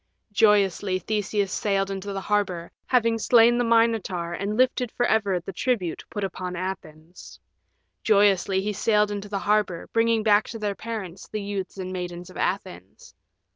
Joyously Theseus sailed into the harbor, having slain the Minotaur and lifted for ever the tribute put upon Athens. Joyously he sailed into the harbor, bringing back to their parents the youths and maidens of Athens.